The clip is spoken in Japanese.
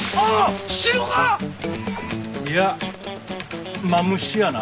いやマムシやな。